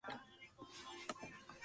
Se localiza en el sureste del estado.